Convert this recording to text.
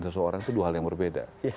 seseorang itu dua hal yang berbeda